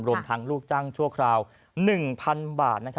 รวมทั้งลูกจ้างชั่วคราว๑๐๐๐บาท